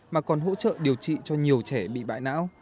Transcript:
mà còn hỗ trợ điều trị cho nhiều trẻ bị bại não